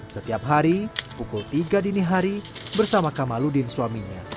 setiap hari pukul tiga dini hari bersama kamaludin suaminya